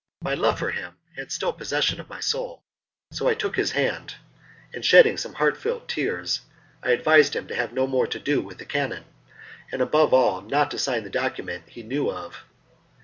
My love for him had still possession of my soul, so I took his hand, and, shedding some heartfelt tears, I advised him to have no more to do with the canon, and above all, not to sign the document he knew of.